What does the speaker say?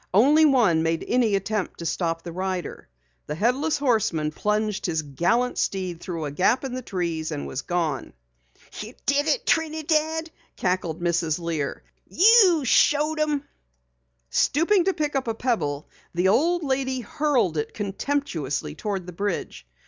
Only one made any attempt to stop the rider. The Headless Horseman plunged his gallant steed through a gap in the trees and was gone. "You did it Trinidad!" cackled Mrs. Lear. "You showed 'em!" Stooping to pick up a pebble, the old lady hurled it contemptuously toward the bridge.